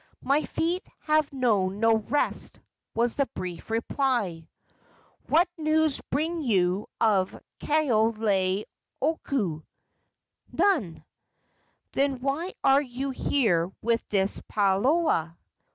"My feet have known no rest," was the brief reply. "What news bring you of Kaoleioku?" "None." "Then why are you here with this palaoa?"